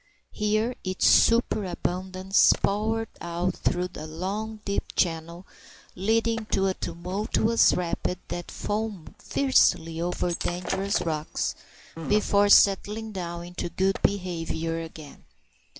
Here its superabundance poured out through a long deep channel leading to a tumultuous rapid that foamed fiercely over dangerous rocks before settling down into good behaviour again.